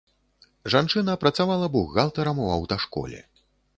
Жанчына працавала бухгалтарам у аўташколе.